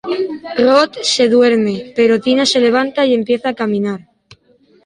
Rod se duerme, pero Tina se levanta y empieza a caminar.